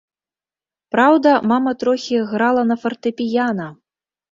Праўда, мама трохі грала на фартэпіяна.